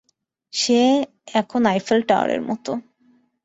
সে এখন আইফেল টাওয়ারের মতো।